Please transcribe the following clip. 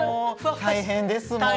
大変ですもう。